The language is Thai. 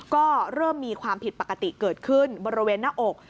ก็เริ่มมีความผิดปกติเกิดขึ้นบริเวณหน้าอก